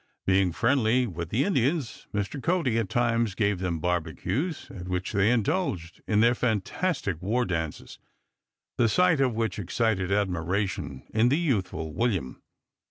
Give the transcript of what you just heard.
Being friendly with the Indians Mr. Cody at times gave them barbecues, at which they indulged in their fantastic war dances, the sight of which excited admiration in the youthful William.